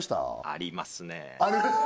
ありますね